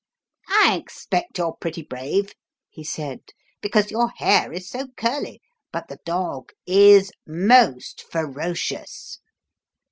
" I expect you're pretty brave," he said, "because your hair is so curly; but the dog is most ferocious."